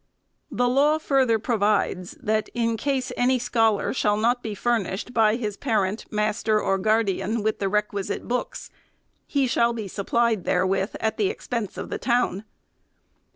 The law further provides, that, in case any scholar shall not be furnished by his parent, master, or guardian, with the requisite books, " he shall be supplied therewith at the expense of the town."